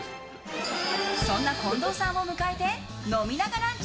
そんな近藤さんを迎えて飲みながランチ！